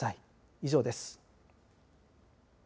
以上です。